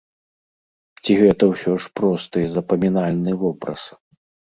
Ці гэта ўсё ж просты, запамінальны вобраз?